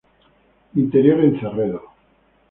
Interior en Cerredo.